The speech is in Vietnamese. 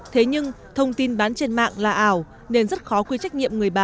thế nhưng thông tin bán trên mạng là ảo nên rất khó quy trách nhiệm người bán